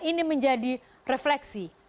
ini menjadi refleksi